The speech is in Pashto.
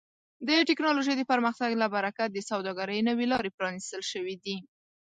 د ټکنالوژۍ د پرمختګ له برکت د سوداګرۍ نوې لارې پرانیستل شوي دي.